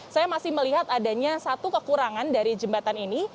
saya masih melihat adanya satu kekurangan dari jembatan ini